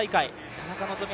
田中希実